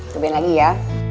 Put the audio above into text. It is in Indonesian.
cobain lagi ya